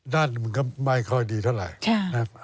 นั่นมันก็ไม่ค่อยดีเท่าไหร่